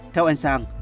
theo anh sang